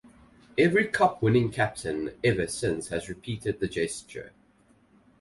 Every Cup-winning captain ever since has repeated the gesture.